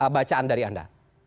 bacaan dari anda